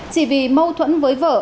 chỉ vì mâu thuẫn với vợ